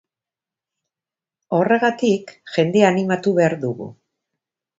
Horregatik, jendea animatu behar dugu.